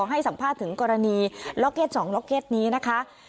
ให้สัมภาษณ์ถึงกรณีล็อกเก็ต๒ล็อกเก็ตนี้นะคะ